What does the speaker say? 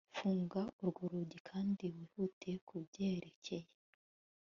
Funga urwo rugi kandi wihute kubyerekeye